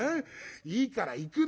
いいから行くの。